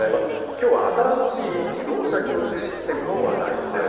きょうは新しい自動車教習システムの話題です。